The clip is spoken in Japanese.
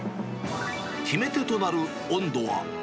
決め手となる温度は。